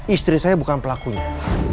istri saya bukan pelakunya